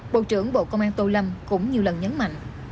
bộ trưởng bộ công an tô lâm cũng nhiều lần nhấn mạnh